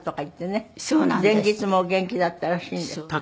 前日もお元気だったらしいんですけど。